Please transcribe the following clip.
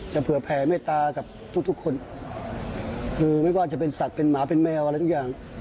เผื่อแผ่เมตตากับทุกทุกคนคือไม่ว่าจะเป็นสัตว์เป็นหมาเป็นแมวอะไรทุกอย่าง